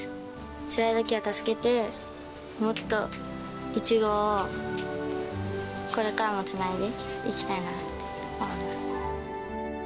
つらいときは助けて、もっとイチゴをこれからもつないでいきたいなって思います。